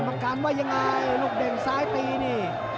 กรรมการว่ายังไงลูกเด่งซ้ายตีนี่